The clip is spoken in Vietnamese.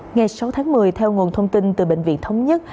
ngày sáu tháng một mươi theo nguồn thông tin từ bệnh viện thống nhất